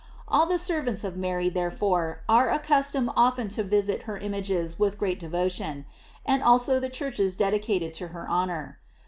All the servants of Mary, therefore, are accustomed often to visit her images with great devotion, and also the churches dedicated to her honor.